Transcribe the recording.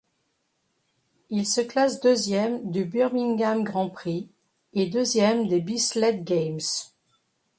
Il se classe deuxième du Birmingham Grand Prix, et deuxième des Bislett Games.